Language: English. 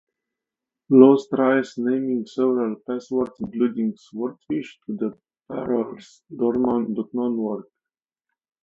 Lois tries naming several passwords, including "swordfish" to the parlor's doorman, but none work.